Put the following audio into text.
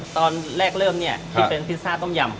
ตอนแรกเริ่มเนี่ยที่เป็นพิซซ่าต้มยำ